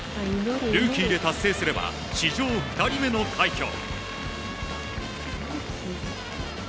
ルーキーで達成すれば史上２人目の快挙。